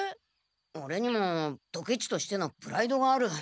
オレにもドケチとしてのプライドがある。